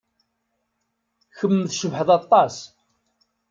Kemm tcebḥeḍ aṭas.